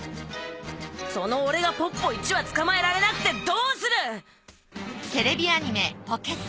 その俺がポッポ１羽つかまえられなくてどうする！